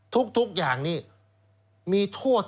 ทุกอย่างนี้มีโทษ